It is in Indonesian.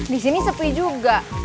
di sini sepi juga